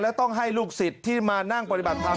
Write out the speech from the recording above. และต้องให้ลูกศิษย์ที่มานั่งปฏิบัติธรรม